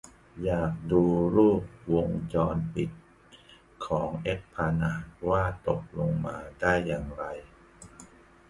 อยากดูรูปวงจรปิดของเอสพลานาดว่าตกลงมาได้ยังไง